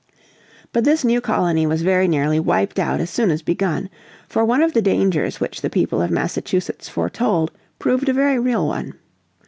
But this new colony was very nearly wiped out as soon as begun. For one of the dangers which the people of Massachusetts foretold proved a very real one.